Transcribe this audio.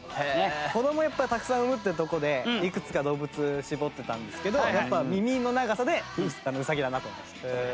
子どもたくさん産むってとこでいくつか動物絞ってたんですけど耳の長さでウサギだなと思いました。